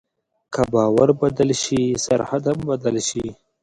که باور بدل شي، سرحد هم بدل شي.